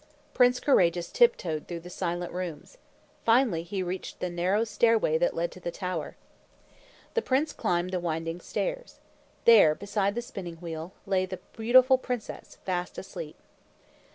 Prince Courageous tiptoed through the silent rooms. Finally, he reached the narrow stairway that led to the tower. The prince climbed the winding stairs. There, beside the spinning wheel, lay the beautiful princess, fast asleep.